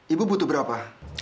ibu butuh berapa